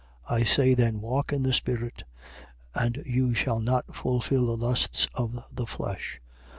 5:16. I say then: Walk in the spirit: and you shall not fulfill the lusts of the flesh.